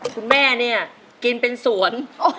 คุณแม่เนี่ยกินเป็นสวน